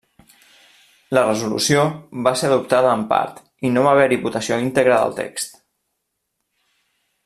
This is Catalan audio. La resolució va ser adoptada en part, i no va haver-hi votació íntegra del text.